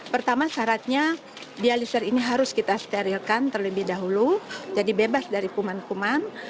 pertama syaratnya dialiser ini harus kita sterilkan terlebih dahulu jadi bebas dari kuman kuman